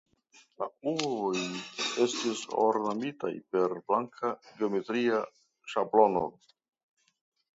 La ujoj estis ornamitaj per blanka geometria ŝablono.